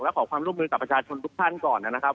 ขอความร่วมมือกับประชาชนทุกท่านก่อนนะครับ